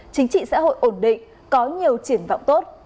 chính trị xã hội ổn định có nhiều triển vọng tốt